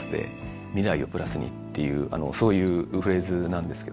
っていうそういうフレーズなんですけども。